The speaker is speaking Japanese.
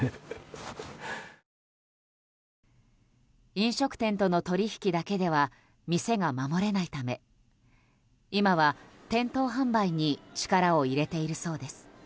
飲食店との取引だけでは店が守れないため今は店頭販売に力を入れているそうです。